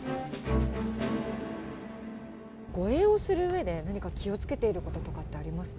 護衛をするうえで、何か気をつけていることとかってありますか。